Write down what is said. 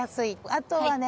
あとはね